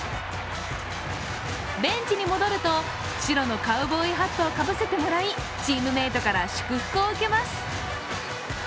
ベンチに戻ると、白のカウボーイハットをかぶせてもらいチームメイトから祝福を受けます。